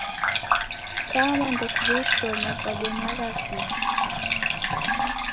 Kama ndokuw'eshoma, kwabonyagha kihi?